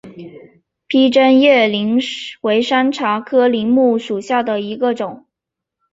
披针叶柃为山茶科柃木属下的一个种。